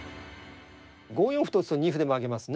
５四歩と打つと二歩で負けますね。